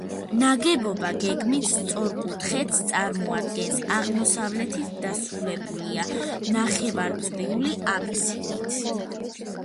ნაგებობა გეგმით სწორკუთხედს წარმოადგენს, აღმოსავლეთით დასრულებულია ნახევარწრიული აბსიდით.